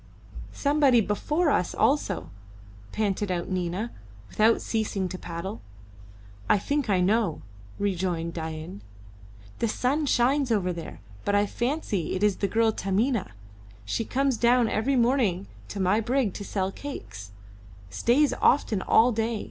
"Somebody before us also," panted out Nina, without ceasing to paddle. "I think I know," rejoined Dain. "The sun shines over there, but I fancy it is the girl Taminah. She comes down every morning to my brig to sell cakes stays often all day.